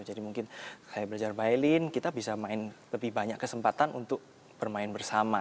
jadi mungkin saya belajar violin kita bisa main lebih banyak kesempatan untuk bermain bersama